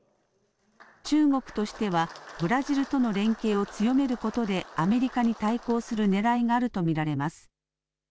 中国としては、ブラジルとの連携を強めることで、アメリカに対抗するねらいがあると見られます。